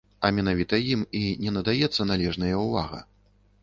А менавіта ім і не надаецца належнае ўвага.